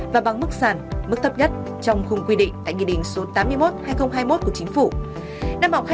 và bằng mức sản mức thấp nhất trong khung quy định tại nghị định số tám mươi một hai nghìn hai mươi một của chính phủ